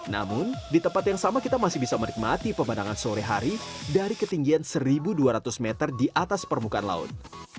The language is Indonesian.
namun di tempat yang sama kita masih bisa menikmati pemandangan sore hari dari ketinggian satu dua ratus meter di atas permukaan laut